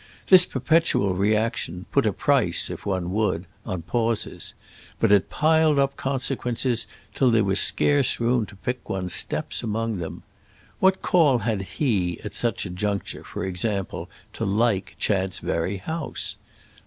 This perpetual reaction put a price, if one would, on pauses; but it piled up consequences till there was scarce room to pick one's steps among them. What call had he, at such a juncture, for example, to like Chad's very house?